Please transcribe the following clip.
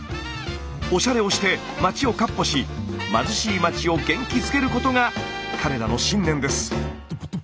おしゃれをして街を闊歩し貧しい街を元気づけることが彼らの信念です。